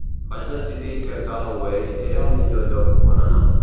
Vaig decidir que Galloway era el millor lloc on anar.